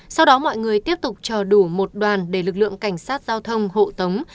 sau đó mọi người tiếp tục chờ đủ một đoàn để lực lượng cảnh sát giao thông hộ tống